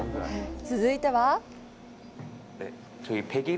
続いては？